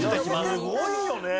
すごいよね。